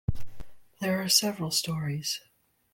There are several stories.